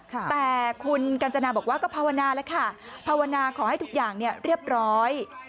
แต่คุณกัญจนาบอกว่าก็ภาวนาแล้วค่ะภาวนาขอให้ทุกอย่างเรียบร้อย